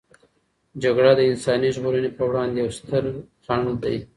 جګړه د انساني ژغورنې په وړاندې یوې سترې خنډ دی.